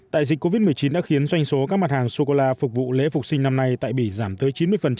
đại dịch covid một mươi chín đã khiến doanh số các mặt hàng sô cô la phục vụ lễ phục sinh năm nay tại bỉ giảm tới chín mươi